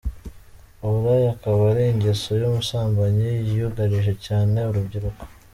Uburaya akaba ari ingeso y’ubusambanyi yugarije cyane urubyiruko.